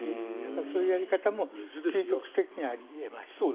そういうやり方も究極的にはあり得ます。